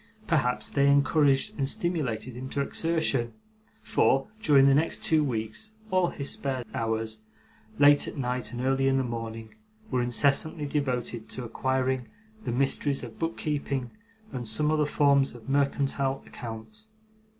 Perhaps they encouraged and stimulated him to exertion, for, during the next two weeks, all his spare hours, late at night and early in the morning, were incessantly devoted to acquiring the mysteries of book keeping and some other forms of mercantile account.